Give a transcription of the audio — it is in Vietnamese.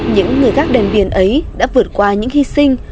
những người gắt đèn biển ấy đã vượt qua những hy sinh